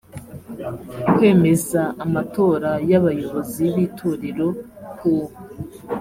kwemeza amatora y abayobozi b itorero ku